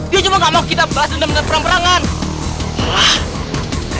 dia cuma gak mau kita bahas dendam tentang perang perangan